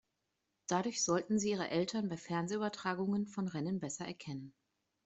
Dadurch sollten sie ihre Eltern bei Fernsehübertragungen von Rennen besser erkennen.